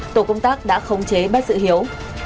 tổ công tác đã khống chế bắt giữ hiếu